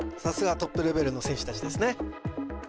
さすがトップレベルの選手達ですね